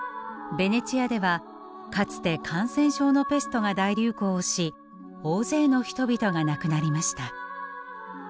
ベネチアではかつて感染症のペストが大流行をし大勢の人々が亡くなりました。